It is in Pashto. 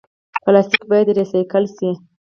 پلاستیک باید ریسایکل شي